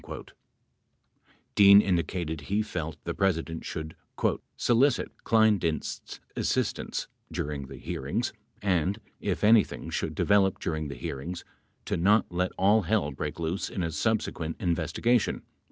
27 Dean indicated he felt the President should "solicit Kleindienst's assistance during the hearings and, if anything should develop during the hearings, to not let all hell break loose in a subsequent investigation."